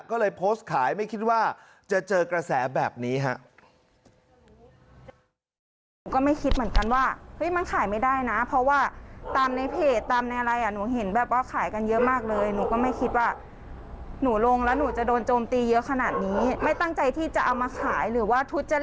ก็เลยโพสต์ขายไม่คิดว่าจะเจอกระแสแบบนี้ฮะ